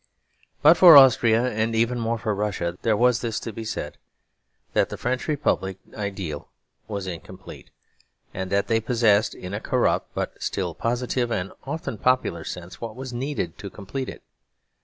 But for Austria, and even more for Russia, there was this to be said; that the French Republican ideal was incomplete, and that they possessed, in a corrupt but still positive and often popular sense, what was needed to complete it.